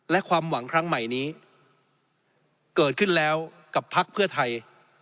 และความหวังครั้งใหม่นี้เกิดขึ้นแล้วกับพักเพื่อไทย